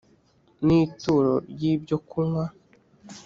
n ituro ry ibyokunywa